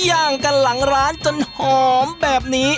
ย่างกันหลังร้านจนหอมแบบนี้